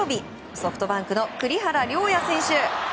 ソフトバンクの栗原陵矢選手。